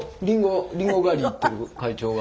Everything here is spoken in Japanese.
りんご狩り行ってる会長が。